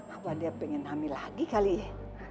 apa dia pengen hamil lagi kali ya